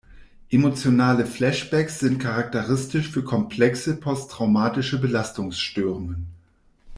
Emotionale Flashbacks sind charakteristisch für komplexe posttraumatische Belastungsstörungen.